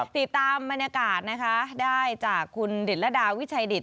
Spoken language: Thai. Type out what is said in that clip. ติดตามบรรยากาศนะคะได้จากคุณดิตรดาวิชัยดิต